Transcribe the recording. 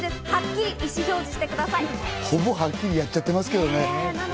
ほぼ、はっきりやっちゃってますけどね。